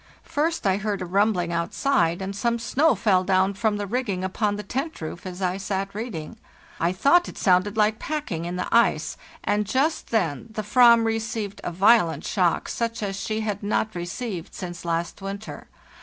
First I heard a rumbling outside, and some snow fell down from the rigging upon the tent roof as I sat reading; I thought it sounded like packing in the ice, and just then the "vam received a violent shock, such as she had not received since last winter.